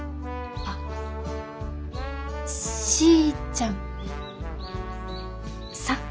あっしーちゃんさん。